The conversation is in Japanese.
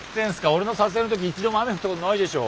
俺の撮影の時一度も雨降ったことないでしょ。